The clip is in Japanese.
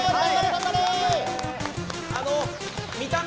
頑張れ！